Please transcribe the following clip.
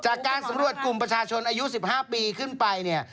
จากการสำรวจกลุ่มประชาชนอายุ๑๕ปีขึ้นไปเนี่ย